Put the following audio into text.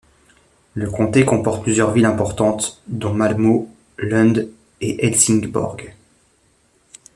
Le comté comporte plusieurs villes importantes dont Malmö, Lund et Helsingborg.